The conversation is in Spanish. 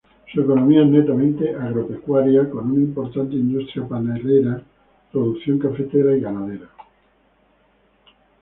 Su economía es netamente agropecuaria, con una importante industria panelera, producción cafetera, y ganadera.